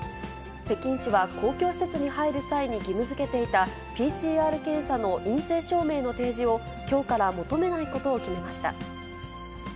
北京市は公共施設に入る際に義務づけていたＰＣＲ検査の陰性証明の提示を、きょうから求めないことを決めました。